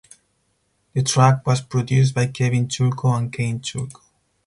The track was produced by Kevin Churko and Kane Churko.